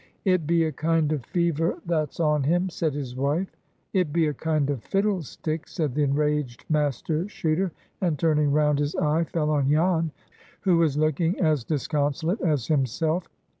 "It be a kind of fever that's on him," said his wife. "It be a kind of fiddlestick!" said the enraged Master Chuter; and turning round his eye fell on Jan, who was looking as disconsolate as himself.